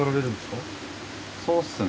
そうですね。